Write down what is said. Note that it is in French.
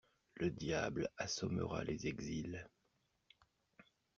Le Diable assommera les exils.